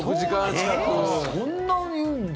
そんなに言うんだ。